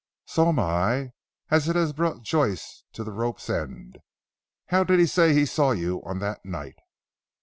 "So am I, as it has brought Joyce to the rope's end. How did he say he saw you on that night?"